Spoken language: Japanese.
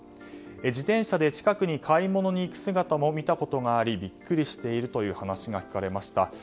自転車で近くに買い物に行く姿も見たことがありビックリしているという話が聞かれました。